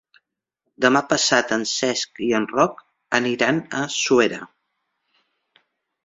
Demà passat en Cesc i en Roc aniran a Suera.